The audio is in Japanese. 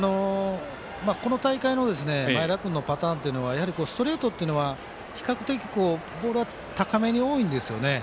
この大会の前田君のパターンというのはストレートは比較的ボールは高めに多いんですね。